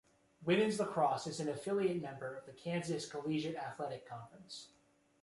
Women's lacrosse is an affiliate member of the Kansas Collegiate Athletic Conference.